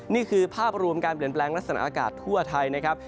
นี่คือภาพรวมการเปลี่ยนแปลงลักษณะอากาศทั่วไทยนะครับ